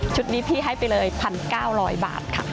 ชุดนี้พี่ให้ไปเลย๑๙๐๐บาทค่ะ